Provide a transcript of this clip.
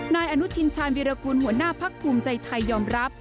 นายอนุทินชาญวิรากูลหัวหน้าพักภูมิใจไทยยอมรับ